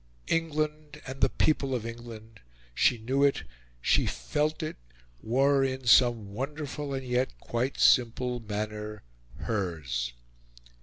England and the people of England, she knew it, she felt it, were, in some wonderful and yet quite simple manner, hers.